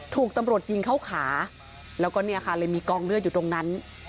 ถูกตำรวจยิงเข้าขาแล้วก็เนี่ยค่ะเลยมีกองเลือดอยู่ตรงนั้น